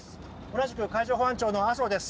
同じく海上保安庁の麻生です。